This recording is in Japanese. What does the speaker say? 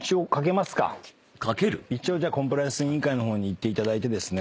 一応コンプライアンス委員会の方に行っていただいてですね。